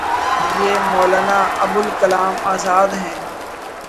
یہ مولانا ابوالکلام آزاد ہیں۔